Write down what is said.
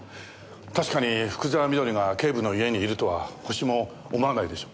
確かに福沢美登里が警部の家にいるとはホシも思わないでしょう。